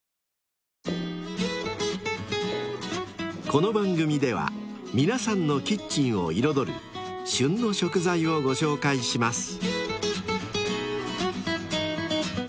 ［この番組では皆さんのキッチンを彩る「旬の食材」をご紹介します］